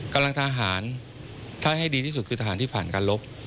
กำลังทหารถ้าให้ดีที่สุดคือทหารที่ผ่านการลบ